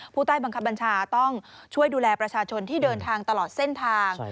ผู้ใต้บังคับบัญชาต้องช่วยดูแลประชาชนที่เดินทางตลอดเส้นทาง